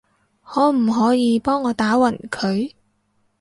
可唔可以幫我打暈佢？